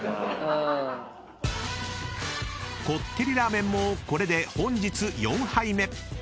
［こってりラーメンもこれで本日４杯目］